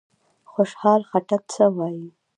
خوشحال خټک څه وايي؟